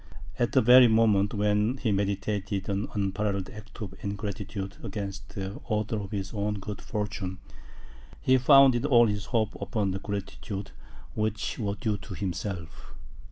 At the very moment when he meditated an unparalleled act of ingratitude against the author of his own good fortune, he founded all his hopes upon the gratitude which was due to himself.